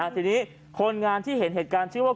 ทีนี้คนงานที่เห็นเหตุการณ์ชื่อว่า